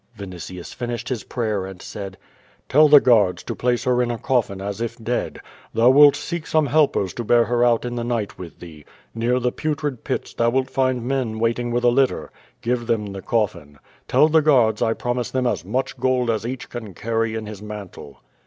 Vinitius finished his prayer and said: "Tell the guards to place her in a coffin as if dead. Thou "] ^2$ QVO VADI8. wilt seek some helpers to bear her out in the night with thee. Near. the "Putrid Pits" thou wilt find men waiting with a lit ter. Give them the coffin. Tell the guards 1 promise them as much gold as eafch can carry in his mantle.''